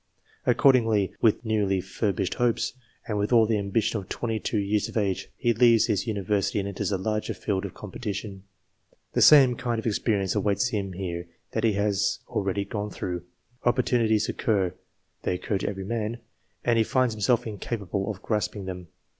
Accordingly, with newly furbished hopes, and with all the ambition of twenty two years of age, he leaves his University and enters a larger field of compe 14 CLASSIFICATION OF MEN tition. The same kind of experience awaits him here that he has already gone through. Opportunities occur they occur to every man and he finds himself incapable of grasping them.